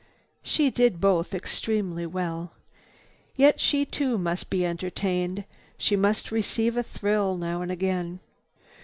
She did both extremely well. Yet she too must be entertained. She must receive a thrill now and again.